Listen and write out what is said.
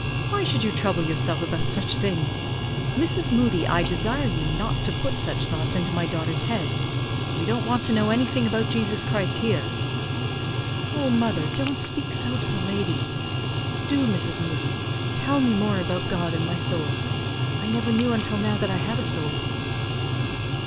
"Why should you trouble yourself about such things? Mrs. Moodie, I desire you not to put such thoughts into my daughter's head. We don't want to know anything about Jesus Christ here." "Oh, mother, don't speak so to the lady! Do Mrs. Moodie, tell me more about God and my soul. I never knew until now that I had a soul."